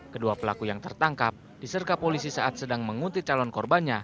kedua pelaku yang tertangkap diserka polisi saat sedang menguntit calon korbannya